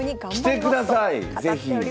来てください是非！